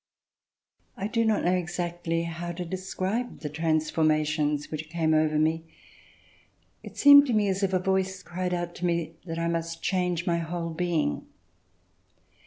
I do not know exactly how to describe the trans formation which came over me. It seemed to me as if a voice cried out to me that I must change my whole being.